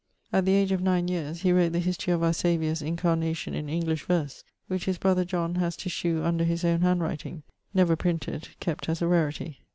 At the age of nine yeares, he wrot the history of our Saviour's incarnation in English verse, which his brother John haz to shew under his owne handwriting never printed, kept as a rarity.